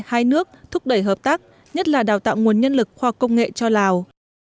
hai nước thúc đẩy hợp tác nhất là đào tạo nguồn nhân lực khoa học công nghệ cho lào